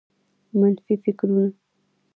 منفي فکرونه